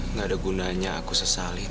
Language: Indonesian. nggak ada gunanya aku sesalin